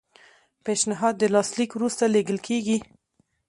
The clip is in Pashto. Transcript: پیشنهاد د لاسلیک وروسته لیږل کیږي.